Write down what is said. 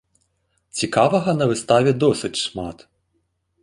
Цікавага на выставе досыць шмат.